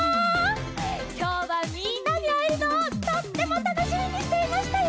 きょうはみんなにあえるのをとってもたのしみにしていましたよ！